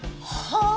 はあ？